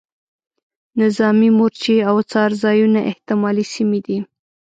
نظامي مورچې او څار ځایونه احتمالي سیمې دي.